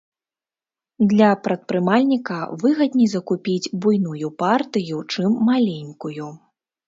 Для прадпрымальніка выгадней закупіць буйную партыю, чым маленькую.